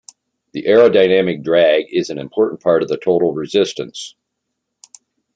The aerodynamic drag is an important part of the total resistance.